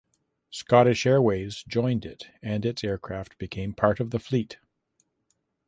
Scottish Airways joined it and its aircraft became part of the fleet.